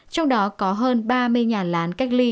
trong đó có hơn ba mươi nhà lán cách ly